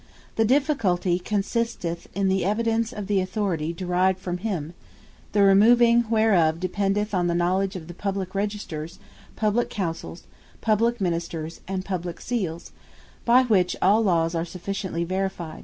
The difficulty consisteth in the evidence of the Authority derived from him; The removing whereof, dependeth on the knowledge of the publique Registers, publique Counsels, publique Ministers, and publique Seales; by which all Lawes are sufficiently verified.